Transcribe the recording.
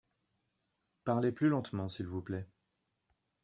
Parlez plus lentement s'il vous plait.